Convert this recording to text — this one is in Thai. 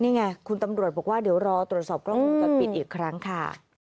นี่ไงคุณตำรวจบอกว่าเดี๋ยวรอตรวจสอบกล้องวงจรปิดอีกครั้งค่ะ